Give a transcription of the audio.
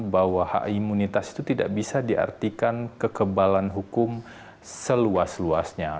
bahwa hak imunitas itu tidak bisa diartikan kekebalan hukum seluas luasnya